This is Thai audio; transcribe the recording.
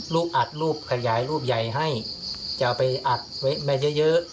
ลูกอัดรูปขยายรูปใหญ่ให้จะเอาไปอัดไว้มาเยอะเยอะ